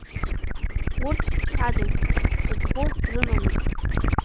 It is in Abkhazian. Урҭ ԥсадан, ҵаҵӷәы рымамызт.